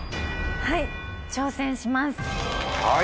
はい挑戦します！